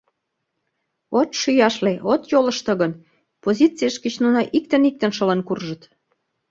— От шӱяшле, от йолышто гын, позицийышт гыч нуно иктын-иктын шылын куржыт.